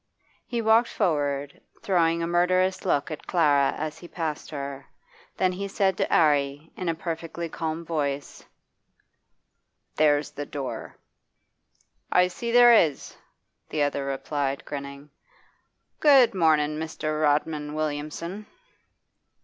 He walked forward, throwing a murderous look at Clara as he passed her. Then he said to 'Arry, in a perfectly calm voice 'There's the door.' 'I see there is,' the other replied, grinning. 'Good mornin', Mr. Rodman Williamson.